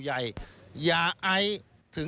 ดูชั้นก่อน